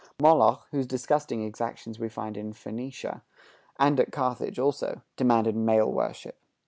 Moloch, whose disgusting exactions we find in Phoenicia, and at Carthage also, demanded male worship.